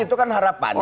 itu kan harapannya